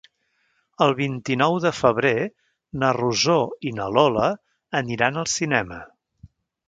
El vint-i-nou de febrer na Rosó i na Lola aniran al cinema.